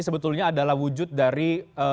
sebetulnya adalah wujud dari